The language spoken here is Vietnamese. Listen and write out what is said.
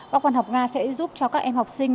bác văn học nga sẽ giúp cho các em học sinh